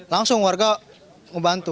langsung warga membantu